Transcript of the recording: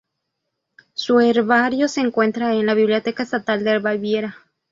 Su herbario se encuentra en la Biblioteca Estatal de Baviera.